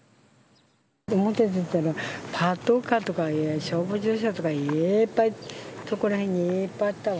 表出たら、パトカーとか消防自動車とか、いーっぱい、そこら辺にいっぱいいたわ。